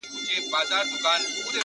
ما دي ویلي کله قبر نایاب راکه